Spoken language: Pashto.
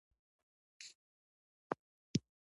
روبوټونه د هوښیار سافټویر له لارې کنټرولېږي.